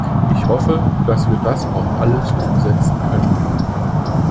Ich hoffe, dass wir das auch alles umsetzen können.